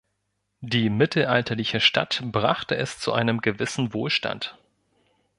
Die mittelalterliche Stadt brachte es zu einem gewissen Wohlstand.